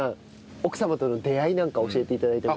奥様との出会いなんか教えて頂いても。